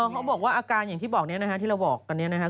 เขาบอกว่าอาการอย่างที่บอกกันเนี่ยนะฮะที่เราบอกกันเนี่ยนะฮะ